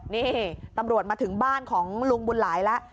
นี่ตำรวจมาถึงบ้านของลุงบุญหลายแล้ว